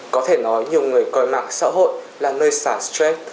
có thể nói nhiều người coi mạng xã hội là nơi xả stress